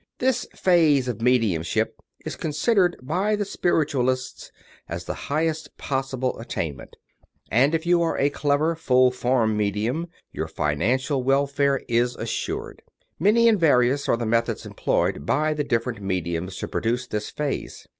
This " phase '* of mediumship is considered by the spiritual ists as the highest possible attainable, and if you are a clever " full form medium " your financial welfare is assured. ... Many and various are the methods employed by the differ ent " mediums *' in producing this phase.